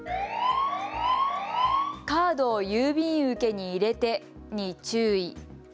カードを郵便受けに入れてに注意。